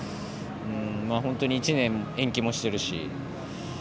本当に１年延期もしてるし。